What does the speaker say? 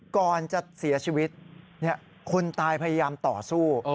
ก่อนจะเสียชีวิตคนตายพยายามต่อสู้